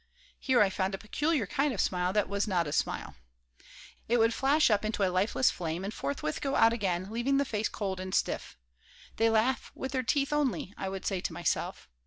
here I found a peculiar kind of smile that was not a smile. It would flash up into a lifeless flame and forthwith go out again, leaving the face cold and stiff. "They laugh with their teeth only," I would say to myself.